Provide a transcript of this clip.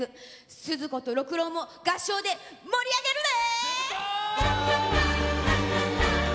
スズ子と六郎も合唱で盛り上げるで！